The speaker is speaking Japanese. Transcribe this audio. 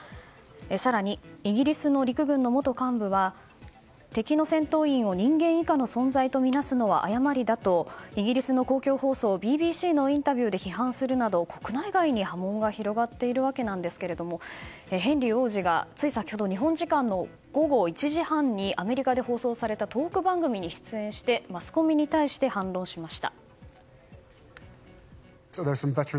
更にイギリスの陸軍の元幹部は敵の戦闘員を人間以下の存在とみなすのは誤りだとイギリスの公共放送ＢＢＣのインタビューで批判するなど、国内外に波紋が広がっているわけですがヘンリー王子がつい先ほど日本時間の午後１時半にアメリカで放送されたトーク番組に出演してマスコミに対して反論しました。